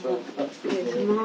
失礼します。